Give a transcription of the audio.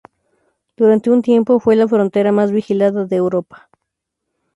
Durante un tiempo, fue "la frontera más vigilada de Europa".